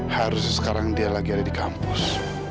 harus sekarang dia lagi ada di kampus